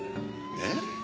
えっ？